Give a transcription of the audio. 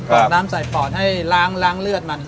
น้ำใส่ปอดให้ล้างเลือดมัน